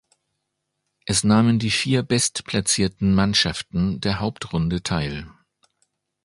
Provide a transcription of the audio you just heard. Es nahmen die vier bestplatzierten Mannschaften der Hauptrunde teil.